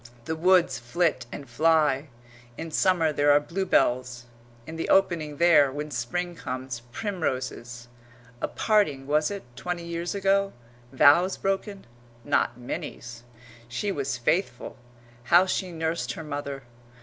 The woods flit and fly in summer there are bluebells; in the opening there, when Spring comes, primroses. A parting, was it, twenty years ago? Vows broken? Not Minnie's!... She was faithful. How she nursed her mother!